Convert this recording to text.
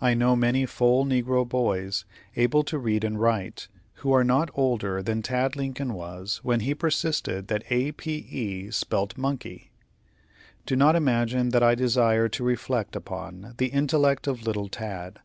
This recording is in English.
I know many full negro boys, able to read and write, who are not older than Tad Lincoln was when he persisted that A p e spelt monkey. Do not imagine that I desire to reflect upon the intellect of little Tad.